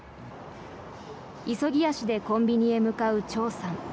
急ぎ足でコンビニへ向かうチョウさん。